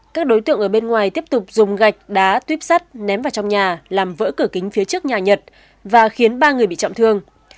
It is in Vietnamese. các đối tượng ở bên ngoài tiếp tục dùng gạch đá tuyếp sắt ném vào trong nhà làm vỡ cửa kính phía trước nhà nhật và khiến ba người bị trọng thương